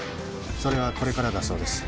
それはこれからだそうです。